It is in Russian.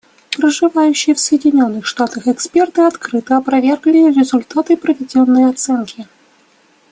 Проживающие в Соединенных Штатах эксперты открыто опровергли результаты проведенной оценки.